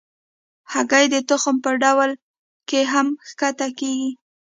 هګۍ د تخم په ډول هم کښت کېږي.